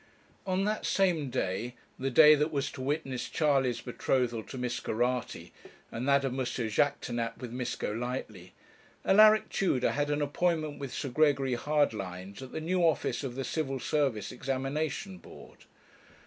On that same day, the day that was to witness Charley's betrothal to Miss Geraghty, and that of M. Jaquêtanàpe with Miss Golightly, Alaric Tudor had an appointment with Sir Gregory Hardlines at the new office of the Civil Service Examination Board.